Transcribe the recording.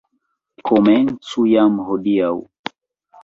Komencu jam hodiaŭ!